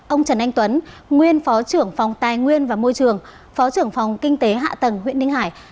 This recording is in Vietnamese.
ông trần anh tuấn nguyên phó trưởng phòng tài nguyên và môi trường phó trưởng phòng kinh tế hạ tầng huyện ninh hải